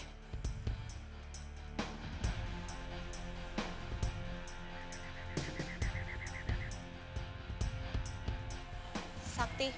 jangan belajar apa apa ya sakti